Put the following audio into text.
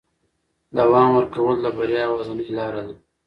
دوام ورکول د بریا یوازینۍ لاره ده.